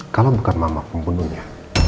kalau bukan mama pembunuhnya